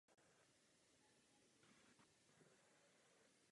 Nad západním průčelí se nachází hranolová věž.